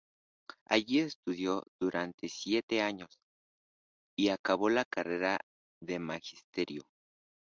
Allí estudió durante siete años y acabó la carrera de Magisterio.